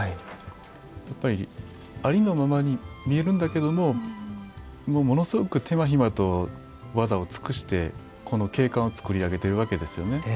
やっぱり、ありのままに見えるんだけれどもものすごく手間ひまと技を尽くしてこの景観を作り上げてるわけですよね。